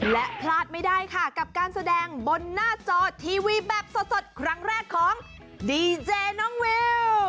และพลาดไม่ได้ค่ะกับการแสดงบนหน้าจอทีวีแบบสดครั้งแรกของดีเจน้องวิว